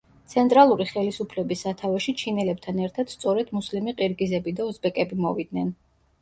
ცენტრალური ხელისუფლების სათავეში ჩინელებთან ერთად სწორედ მუსლიმი ყირგიზები და უზბეკები მოვიდნენ.